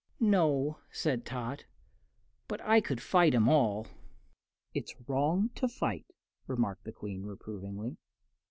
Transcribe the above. "No," said Tot; "but I could fight 'em all." "It's wrong to fight," remarked the Queen, reprovingly.